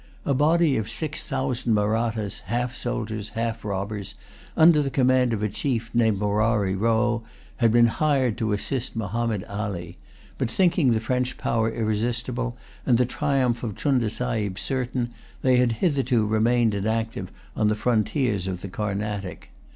A body of six thousand Mahrattas, half soldiers, half robbers, under the command of a chief named Morari Row, had been hired to assist Mahommed Ali; but thinking the French power irresistible, and the triumph of Chunda Sahib certain, they had hitherto remained inactive on the frontiers of the Carnatic.